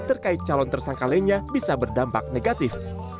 terkait calon tersangka lainnya bisa berdampak negatif